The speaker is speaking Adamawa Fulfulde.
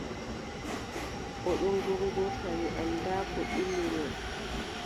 O ɗon ŋuurŋuurta, mi anndaa Ko ɓilli mo.